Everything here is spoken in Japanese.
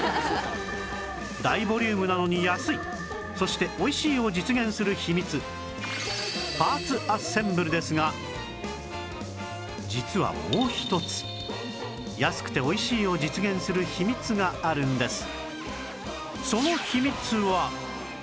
大ボリュームなのに安いそして美味しいを実現する秘密パーツアッセンブルですが実はもう一つ安くて美味しいを実現する秘密があるんです